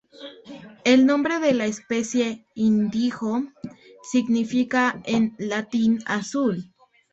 El nombre de la especie "indigo" significa, en latín, "azul".